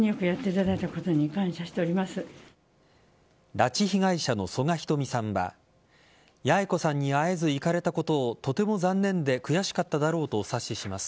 拉致被害者の曽我ひとみさんは八重子さんに会えず逝かれたことをとても残念で悔しかっただろうとお察しします。